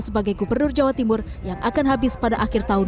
sebagai gubernur jawa timur yang akan habis pada akhir tahun dua ribu dua puluh tiga